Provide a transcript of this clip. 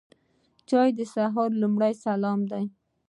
چای د سهار لومړی سلام دی.